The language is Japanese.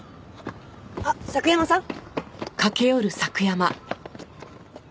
あっ佐久山さん！